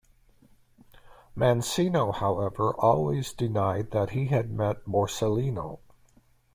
Mancino however always denied that he had met Borsellino.